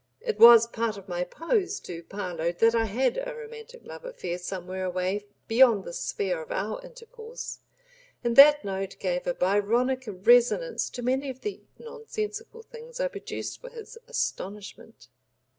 It was part of my pose to Parload that I had a romantic love affair somewhere away beyond the sphere of our intercourse, and that note gave a Byronic resonance to many of the nonsensical things I produced for his astonishment.